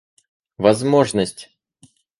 возможность